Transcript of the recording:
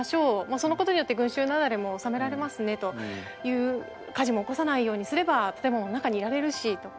そのことによって群衆なだれも収められますねという火事も起こさないようにすれば建物の中にいられるしとか。